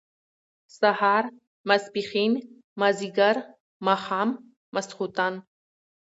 سهار ، ماسپښين، مازيګر، ماښام ، ماسخوتن